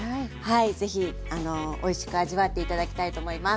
ぜひおいしく味わって頂きたいと思います。